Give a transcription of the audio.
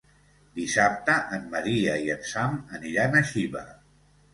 Dissabte en Maria i en Sam aniran a Xiva.